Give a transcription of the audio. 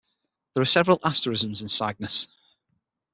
There are several asterisms in Cygnus.